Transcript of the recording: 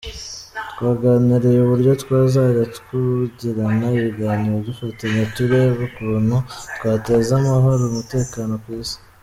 Twaganiriye uburyo twazajya tugirana ibiganiro, dufatanya tureba ukuntu twateza amahoro n’umutekano ku Isi.